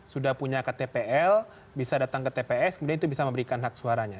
sudah punya ktpl bisa datang ke tps kemudian itu bisa memberikan hak suaranya